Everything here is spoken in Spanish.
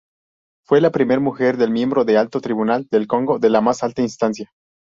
Fue la primera mujer miembro del Alto Tribunal del Congo, la más alta instancia.